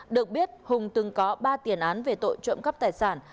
được biết hùng từng có ba tiền án về tội trộm cắp tài sản